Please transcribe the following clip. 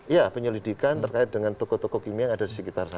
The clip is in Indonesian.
ya penyelidikan terkait dengan toko toko kimia yang ada di sekitar sana